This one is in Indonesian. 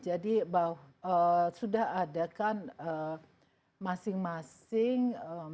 jadi sudah ada kan masing masing